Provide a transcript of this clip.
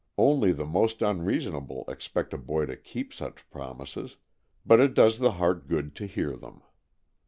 Only the most unreasonable expect a boy to keep such promises, but it does the heart good to hear them.